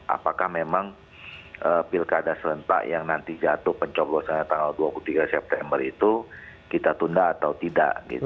apakah memang pilkada serentak yang nanti jatuh pencoblosannya tanggal dua puluh tiga september itu kita tunda atau tidak